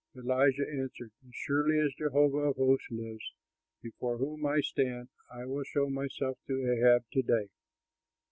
Elijah answered, "As surely as Jehovah of hosts lives, before whom I stand, I will show myself to Ahab to day."